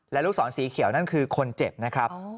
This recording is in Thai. และลูกศรสีเขียวนั่นคือคนเจ็บนะครับ